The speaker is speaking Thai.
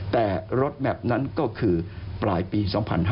แต่รถแมพนั้นก็คือปลายปี๒๕๕๙